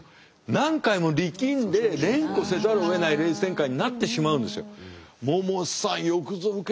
何回も力んで連呼せざるをえないレース展開になってしまうんですよ。